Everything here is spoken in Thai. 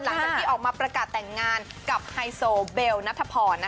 หลังจากที่ออกมาประกาศแต่งงานกับไฮโซเบลนัทพร